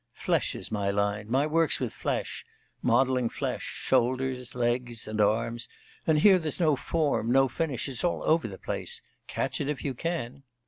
'Flesh is my line; my work's with flesh modelling flesh, shoulders, legs, and arms, and here there's no form, no finish; it's all over the place.... Catch it if you can.